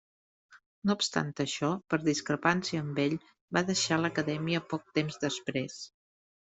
No obstant això, per discrepància amb ell, va deixar l'acadèmia poc temps després.